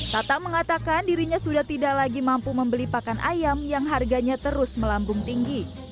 tata mengatakan dirinya sudah tidak lagi mampu membeli pakan ayam yang harganya terus melambung tinggi